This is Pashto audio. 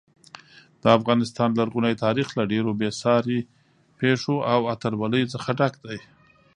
د افغانستان لرغونی تاریخ له ډېرو بې ساري پیښو او اتلولیو څخه ډک دی.